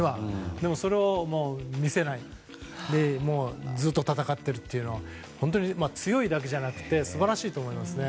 でも、それを見せないでずっと戦っているというのは本当に強いだけじゃなくて素晴らしいと思いますね。